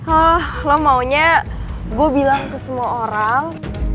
ah lo maunya gue bilang ke semua orang